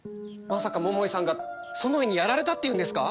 まさか桃井さんがソノイにやられたっていうんですか！？